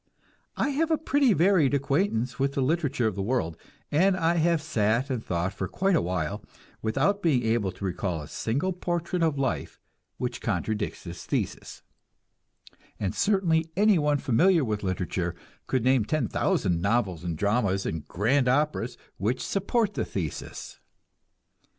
I have a pretty varied acquaintance with the literature of the world, and I have sat and thought for quite a while, without being able to recall a single portrait of life which contradicts this thesis; and certainly anyone familiar with literature could name ten thousand novels and dramas and grand operas which support the thesis.